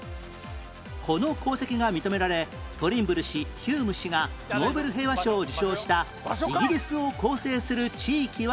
この功績が認められトリンブル氏ヒューム氏がノーベル平和賞を受賞したイギリスを構成する地域はどこ？